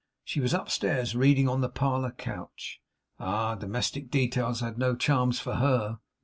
She was upstairs, reading on the parlour couch. Ah! Domestic details had no charms for HER.